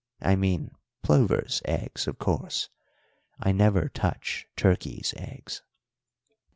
I mean plovers' eggs, of course; I never touch turkeys' eggs.'